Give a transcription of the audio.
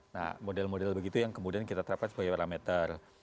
nah model model begitu yang kemudian kita terapkan sebagai parameter